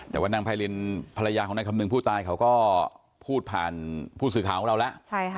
แต่ว่านางไพรินภรรยาของนายคำนึงผู้ตายเขาก็พูดผ่านผู้สื่อข่าวของเราแล้ว